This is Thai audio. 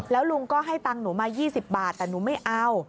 แล้วลุงก็ให้ตังค์หนูมา๒๐บาทแต่หนูไม่เอา